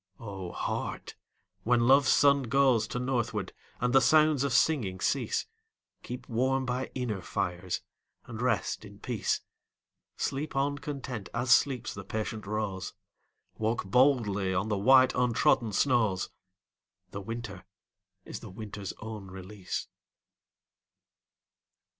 O Heart, when Love's sun goes To northward, and the sounds of singing cease, Keep warm by inner fires, and rest in peace. Sleep on content, as sleeps the patient rose. Walk boldly on the white untrodden snows, The winter is the winter's own release.